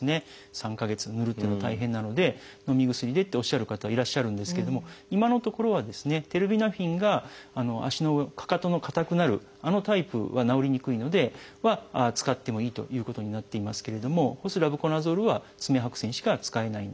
３か月ぬるというのは大変なのでのみ薬でっておっしゃる方いらっしゃるんですけども今のところはですねテルビナフィンが足のかかとのかたくなるあのタイプは治りにくいのでは使ってもいいということになっていますけれどもホスラブコナゾールは爪白癬しか使えないんですね。